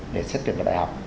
để xét tuyển vào đại học